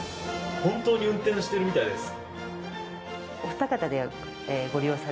本当に運転しているみたいです。